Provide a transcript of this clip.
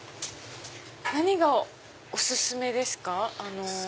何がお薦めですか？